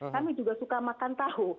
kami juga suka makan tahu